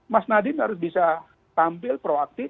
mas nadiem harus bisa tampil proaktif